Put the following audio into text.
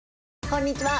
こんにちは。